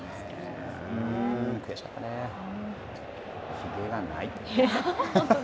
ひげがない。